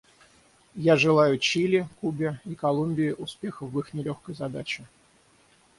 Я желаю Чили, Кубе и Колумбии успехов в их нелегкой задаче.